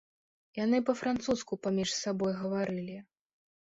Яны па-французску паміж сабой гаварылі.